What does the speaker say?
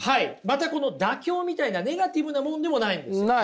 またこの妥協みたいなネガティブなものでもないんです。